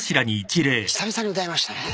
久々に歌いましたね。